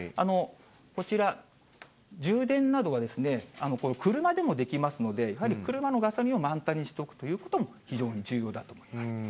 こちら、充電などはこの車でもできますので、やはり車のガソリンを満タンにしておくということも非常に重要だと思います。